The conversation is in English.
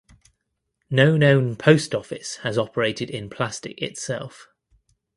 No known post office has operated in Plastic itself.